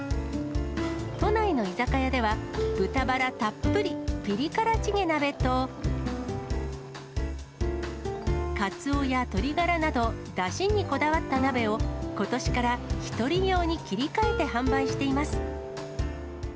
都内の居酒屋では、豚バラたっぷりピリ辛チゲ鍋と、カツオや鶏ガラなどだしにこだわった鍋を、ことしから１人用に切り替えて販売しています。